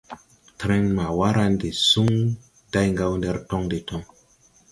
Tren ma wara de suŋ day Gawndere tɔŋ de toŋ.